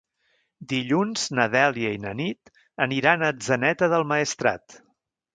Dilluns na Dèlia i na Nit aniran a Atzeneta del Maestrat.